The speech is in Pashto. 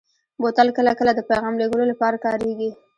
بوتل کله کله د پیغام لېږلو لپاره کارېږي.